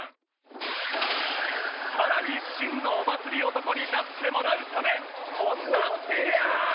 さらに真のお祭り男になってもらうためこんな提案